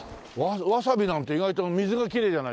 わさびなんて意外と水がきれいじゃないとね。